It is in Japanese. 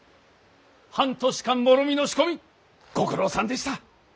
半年間もろみの仕込みご苦労さんでした。